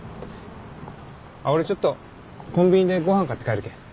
あっ俺ちょっとコンビニでご飯買って帰るけん。